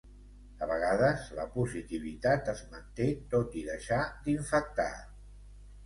A vegades la positivitat es manté tot i deixar d’infectar.